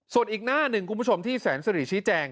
ส่วนอีกหน้าหนึ่งคุณผู้ชมที่แสนสิริชี้แจง